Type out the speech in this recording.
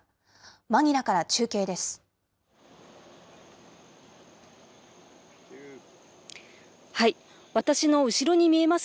マニラから中継です。